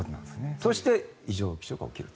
そして、異常気象が起きると。